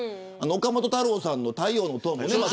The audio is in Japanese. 岡本太郎さんの太陽の塔もね。